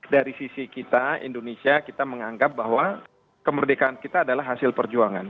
dari sisi kita indonesia kita menganggap bahwa kemerdekaan kita adalah hasil perjuangan